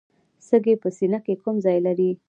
سږي په سینه کې کوم ځای لري